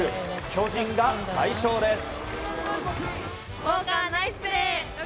巨人が快勝です。